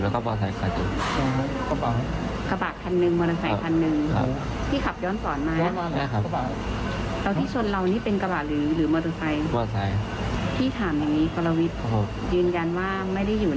ยืนยันว่าไม่ได้อยู่ในแกงมอเตอร์ไซแว้นหรือแกงกิ้ง